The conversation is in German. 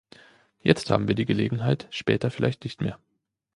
Jetzt haben wir die Gelegenheit, später vielleicht nicht mehr.